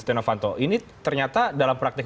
steno fanto ini ternyata dalam praktik